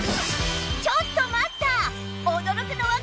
ちょっと待った！